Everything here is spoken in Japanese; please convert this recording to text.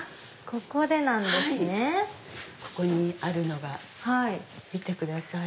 ここにあるのが見てください。